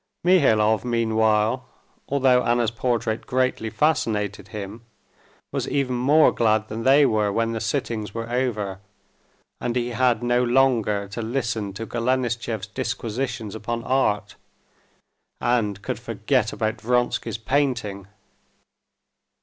Mihailov meanwhile, although Anna's portrait greatly fascinated him, was even more glad than they were when the sittings were over, and he had no longer to listen to Golenishtchev's disquisitions upon art, and could forget about Vronsky's painting.